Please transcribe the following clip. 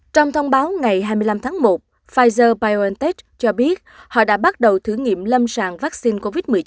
trong thông báo ngày hai mươi năm tháng một pfizer biontech cho biết họ đã bắt đầu thử nghiệm lâm sàng vaccine covid một mươi chín